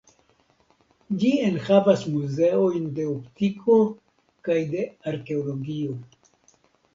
Ĝi enhavas muzeojn de optiko kaj de arkeologio.